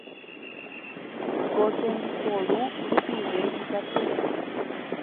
Ko tembiporu rupive ikatu